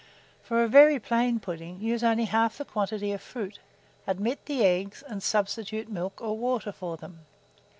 For a very plain pudding, use only half the quantity of fruit, omit the eggs, and substitute milk or water for them.